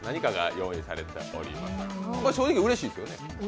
正直、うれしいですよね。